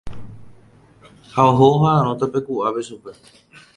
Ha oho oha'ãrõ tapeku'ápe chupe.